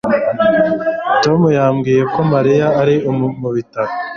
Tom yambwiye ko Mariya ari mu bitaro